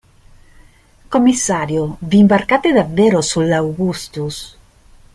Commissario, v'imbarcate davvero sull'Augustus?